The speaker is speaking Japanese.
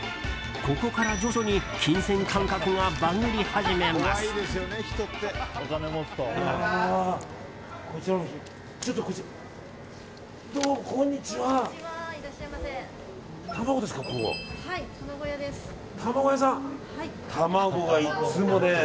ここから徐々に金銭感覚がバグり始めます。